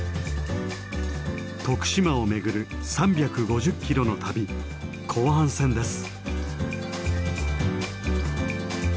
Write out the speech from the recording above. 徳島を巡る３５０キロの旅後半戦です。